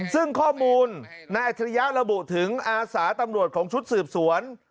ซึ่งข้อมูลนายอัจฉริยะระบุถึงอาสาตำรวจของชุดสืบสวน